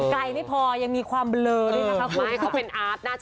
ไกลไม่พอยังมีความเบลอด้วยนะคะ